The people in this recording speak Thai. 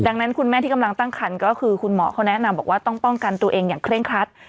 ดังนั้นคุณแม่ที่กำลังตั้งคันก็คือคุณหมอเขาแนะนำบอกว่าต้องป้องกันตัวเองอย่างเคร่งครัด